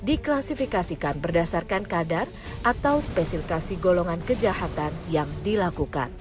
diklasifikasikan berdasarkan kadar atau spesifikasi golongan kejahatan yang dilakukan